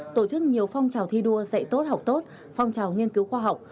tổ chức nhiều phong trào thi đua dạy tốt học tốt phong trào nghiên cứu khoa học